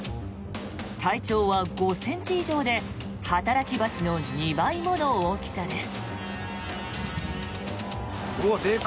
体長は５ｃｍ以上で働き蜂の２倍もの大きさです。